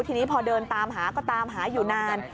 ทีนี้พอเดินตามหาก็ตามหาอยู่นาน